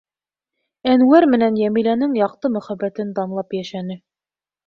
Әнүәр менән Йәмиләнең яҡты мөхәббәтен данлап йәшәне.